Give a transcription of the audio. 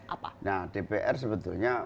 apa nah dpr sebetulnya